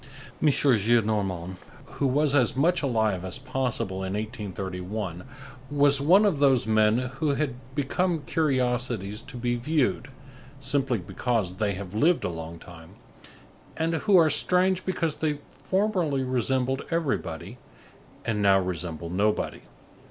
M. Gillenormand, who was as much alive as possible in 1831, was one of those men who had become curiosities to be viewed, simply because they have lived a long time, and who are strange because they formerly resembled everybody, and now resemble nobody.